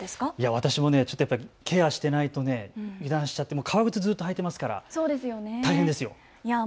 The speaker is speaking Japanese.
私もケアしてないと油断しちゃって革靴ずっと履いてますから大変ですよ。